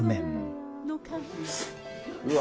うわ！